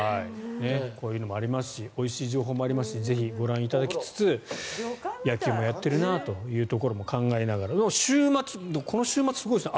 こういうのもありますしおいしい情報もありますしぜひご覧いただきつつ野球もやっているなというところも考えながらこの週末、すごいですね。